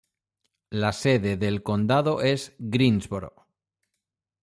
La sede del condado es Greensboro.